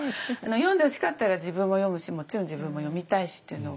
読んでほしかったら自分も読むしもちろん自分も読みたいしっていうのを。